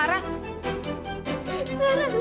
lara gak mau digigit ular putih mana takut